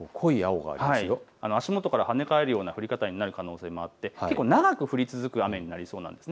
足元から跳ね返るような降り方になる可能性もあって長く降り続く雨になりそうなんです。